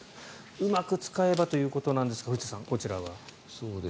うまく使えばということですが藤田さん、こちらは。